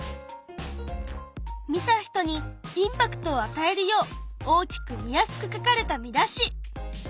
見た人にインパクトをあたえるよう大きく見やすく書かれた見出し。